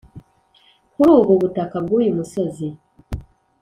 kuri ubu butaka bw`uyu musozi